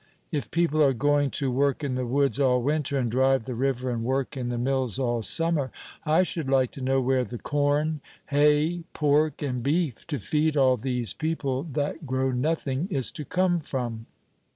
If people are going to work in the woods all winter, and drive the river and work in the mills all summer, I should like to know where the corn, hay, pork, and beef, to feed all these people that grow nothing, is to come from.